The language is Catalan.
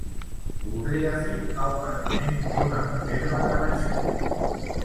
Voldria fer el pagament d'una reserva que vaig fer.